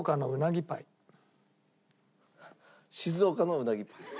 静岡のうなぎパイ。